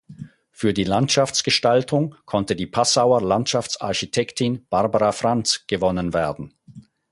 Für die Landschaftsgestaltung konnte die Passauer Landschaftsarchitektin Barbara Franz gewonnen werden.